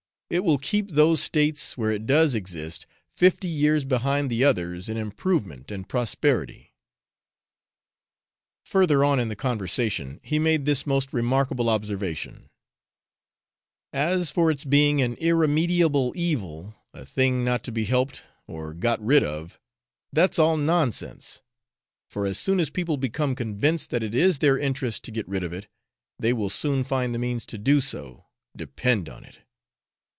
It will keep those states where it does exist fifty years behind the others in improvement and prosperity.' Further on in the conversation, he made this most remarkable observation, 'As for its being an irremediable evil a thing not to be helped or got rid of that's all nonsense; for as soon as people become convinced that it is their interest to get rid of it, they will soon find the means to do so, depend upon it.'